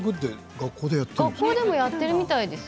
学校でもやっているみたいですよ。